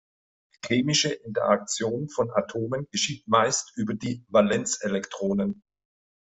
Chemische Interaktion von Atomen geschieht meist über die Valenzelektronen.